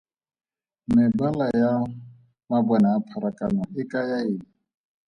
Mebala ya mabone a pharakano a kaya eng?